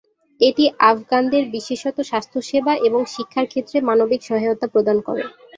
এটি আফগানদের বিশেষত স্বাস্থ্যসেবা এবং শিক্ষার ক্ষেত্রে মানবিক সহায়তা প্রদান করে।